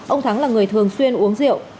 ông thắng là người thường xuyên uống rượu